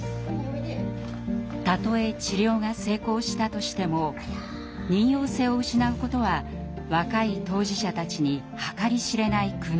たとえ治療が成功したとしても妊よう性を失うことは若い当事者たちに計り知れない苦悩を抱かせます。